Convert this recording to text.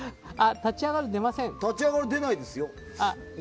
立ち上がるでないですよ。